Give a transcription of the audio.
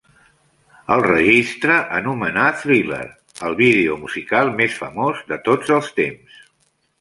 El registre a nomenar Thriller "el video musical més famós de tots els temps".